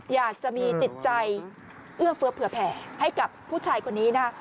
อยากจะมีจิตใจเอื้อเฟื้อเผื่อแผ่ให้กับผู้ชายคนนี้นะ